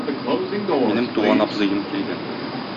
Минем туган абзыем килгән.